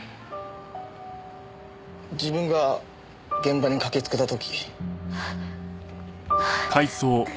自分が現場に駆けつけた時。